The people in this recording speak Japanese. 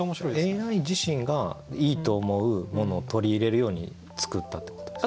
ＡＩ自身がいいと思うものを取り入れるように作ったってことですか？